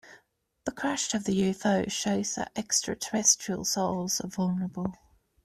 The crash of the UFO shows that extraterrestrials are also vulnerable.